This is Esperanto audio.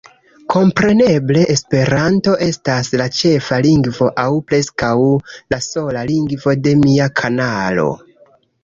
Kompreneble, Esperanto estas la ĉefa lingvo aŭ preskaŭ la sola lingvo de mia kanalo.